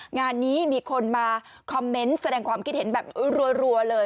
งานนี้มีคนมาคอมเมนต์แสดงความคิดเห็นแบบรัวเลย